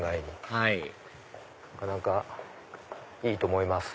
はいなかなかいいと思います